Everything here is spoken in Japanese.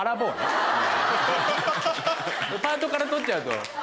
パートから取っちゃうと。